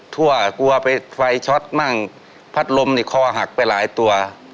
ทั่วกลัวไปไฟช็อตมั่งพัดลมนี่คอหักไปหลายตัว